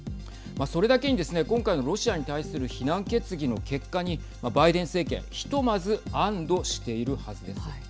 それだけにですね、今回のロシアに対する非難決議の結果にバイデン政権、ひとまず安どしているはずです。